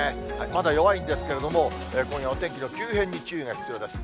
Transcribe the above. まだ弱いんですけれども、今夜お天気の急変に、注意が必要です。